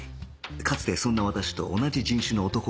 かつてそんな私と同じ人種の男がいた